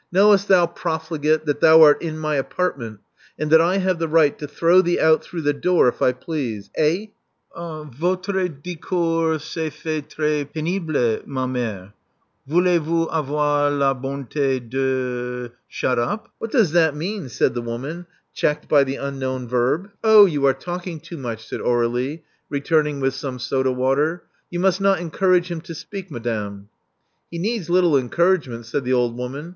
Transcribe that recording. Knowest thou, profligate, that thou art in my apartment, and that I have the right to throw thee out through the door if I please. Eh?" Votre discours se fait trhs p6nible, ma mfere. Voulez vous avoir la bontd de shut up?" What does that mean?" said the woman, checked by the unknown verb. Love Among the Artists 351 Oh, you are talking too much," said Aurflie, returning with some soda water. *'You must not encourage him to speak, madame." He needs little encouragement," said the old woman.